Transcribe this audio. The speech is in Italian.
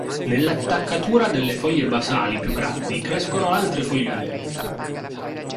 Nell'attaccatura delle foglie basali più grandi crescono altre foglioline.